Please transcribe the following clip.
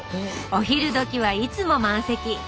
お昼どきはいつも満席！